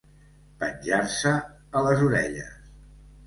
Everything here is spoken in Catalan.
Penjar-se a les orelles.